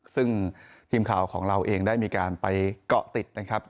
ซึ่งทีมข่าวของเราเองได้มีการไปเกาะติดนะครับ